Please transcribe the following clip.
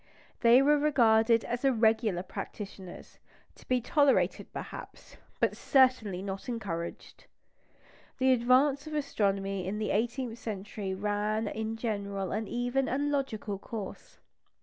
They were regarded as irregular practitioners, to be tolerated perhaps, but certainly not encouraged. The advance of astronomy in the eighteenth century ran in general an even and logical course.